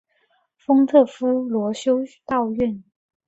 丰特夫罗修道院。